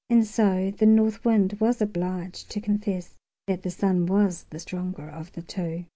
And so the North Wind was obliged to confess that the Sun was the stronger of the two.